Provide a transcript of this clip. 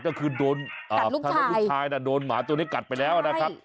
ก็คือโดนลูกชายโดนหมาตัวนี้กัดไปแล้วนะครับ